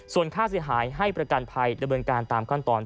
ส่วนค่าเสียหายให้ประกันภัยดำเนินการตามขั้นตอน